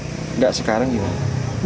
tidak sekarang juga